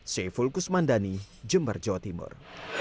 saya fulkus mandani jember jawa timur